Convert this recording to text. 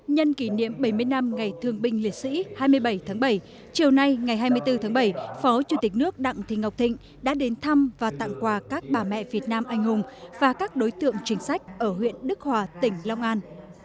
nhân kỷ niệm bảy mươi năm ngày thương binh liệt sĩ hai mươi bảy tháng bảy chiều nay ngày hai mươi bốn tháng bảy phó chủ tịch nước đặng thị ngọc thịnh đã đến thăm và tặng quà các bà mẹ việt nam anh hùng và các đối tượng chính sách ở huyện đức hòa tỉnh long an